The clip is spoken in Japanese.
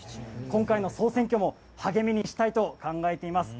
今回の総選挙も励みにしたいと考えています。